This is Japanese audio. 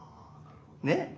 ねっ？